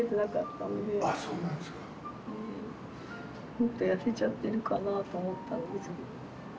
もっと痩せちゃってるかなと思ったんですけど。